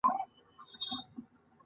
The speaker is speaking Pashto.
د ویښتو د شپږو لپاره سرکه وکاروئ